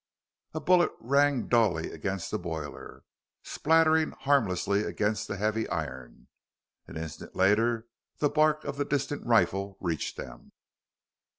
A bullet rang dully against the boiler, spattering harmlessly against the heavy iron. An instant later, the bark of the distant rifle reached them.